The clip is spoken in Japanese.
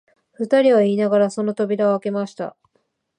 二人は言いながら、その扉をあけました